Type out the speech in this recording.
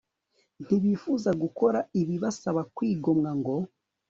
Ntibifuza gukora ibibasaba kwigomwa ngo